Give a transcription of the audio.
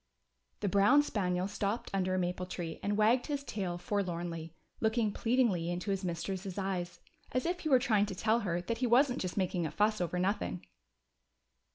The brown spaniel stopped under a maple tree and wagged his tail forlornly, looking pleadingly into his mistress's eyes, as if he were trying to tell her that he wasn't just making a fuss over nothing.